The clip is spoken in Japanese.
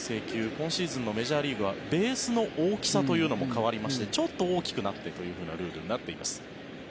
今シーズンのメジャーリーグはベースの大きさというのも変わりましてちょっと大きくなってというルールになります。